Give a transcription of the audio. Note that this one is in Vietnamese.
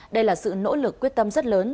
đây là sự nỗ lực quyết tâm rất lớn